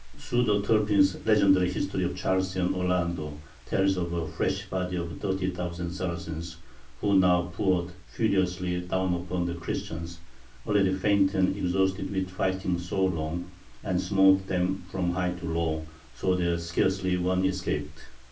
Pseudo Turpin's legendary history of Charles and Orlando tells of a "fresh body of thirty thousand Saracens, who now poured furiously down upon the Christians, already faint and exhausted with fighting so long, and smote them from high to low, so that scarcely one escaped.